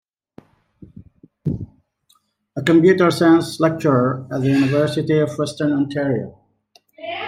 A computer science lecturer at the University of Western Ontario.